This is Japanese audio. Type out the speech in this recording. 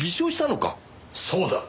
そうだ。